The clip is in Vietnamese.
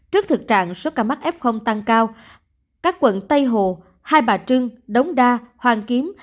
trước thực trạng số ca mắc f tăng cao các quận tây hồ hai bà trưng đống đa hoàng kiếm